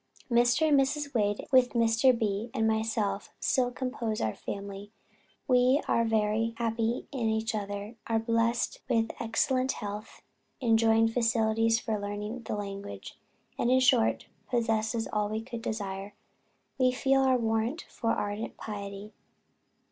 "Mr. and Mrs. Wade with Mr. B. and myself still compose our family; we are very happy in each other, are blessed with excellent health, enjoy facilities for learning the language, and in short, possess all we could desire. We feel our want of ardent piety....